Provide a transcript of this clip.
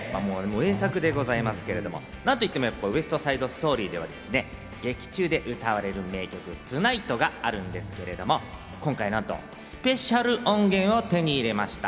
名作でございますけれども、なんといっても『ウエスト・サイド・ストーリー』では、劇中で歌われる名曲『Ｔｏｎｉｇｈｔ』があるんですが、今回、なんとスペシャル音源を手に入れました。